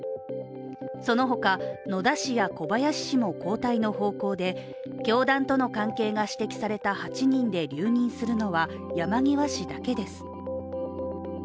そのほか、野田氏や小林氏も交代の方向で教団との関係が指摘された８人で留任するのは、山際氏だけです。